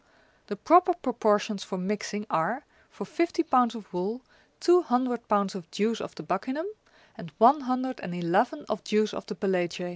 The proper proportions for mixing are, for fifty pounds of wool, two hundred pounds of juice of the buccinum and one hundred and eleven of juice of the pelagiae.